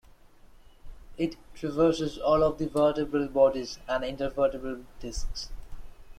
It traverses all of the vertebral bodies and intervertebral discs.